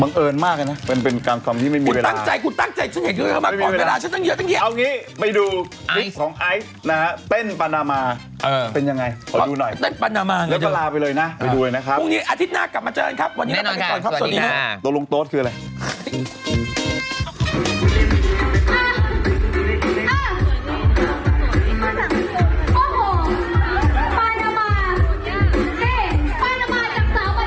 มังเอิญมากเลยนะเป็นเป็นความที่ไม่มีเวลาคุณตั้งใจคุณตั้งใจฉันเห็นเลยเข้ามาก่อนเวลา